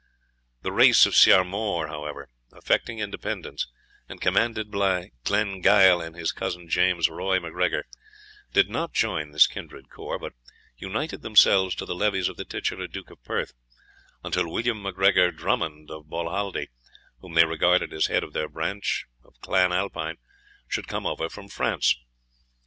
The race of Ciar Mhor, however, affecting independence, and commanded by Glengyle and his cousin James Roy MacGregor, did not join this kindred corps, but united themselves to the levies of the titular Duke of Perth, until William MacGregor Drummond of Bolhaldie, whom they regarded as head of their branch, of Clan Alpine, should come over from France.